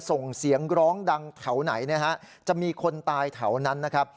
ส่งเสียงร้องดังแถวไหนนะฮะจะมีคนตายแถวนั้นนะครับ